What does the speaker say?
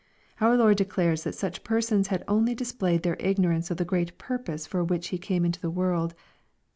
Our Lord declares that such persons had only displayed their ignorance of the great purpose for which He came into the world.